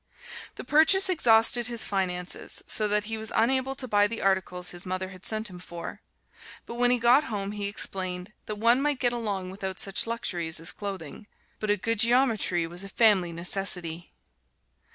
The purchase exhausted his finances, so that he was unable to buy the articles his mother had sent him for, but when he got home he explained that one might get along without such luxuries as clothing, but a good Geometry was a family necessity.